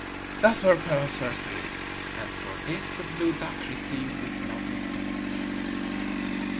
Thus were pearls first created, and for this the blue duck received its lovely plumage.